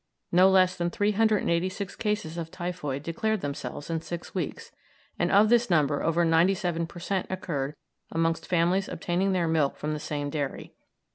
No less than 386 cases of typhoid declared themselves in six weeks, and of this number over 97 per cent. occurred amongst families obtaining their milk from the same dairy.